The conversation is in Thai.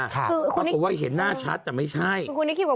เขาก็บอกว่าเห็นหน้าชัดแต่ไม่ใช่